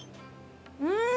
うん！